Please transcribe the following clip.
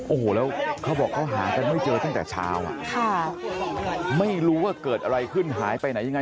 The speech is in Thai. โอ้โหแล้วเขาบอกเขาหากันไม่เจอตั้งแต่เช้าไม่รู้ว่าเกิดอะไรขึ้นหายไปไหนยังไง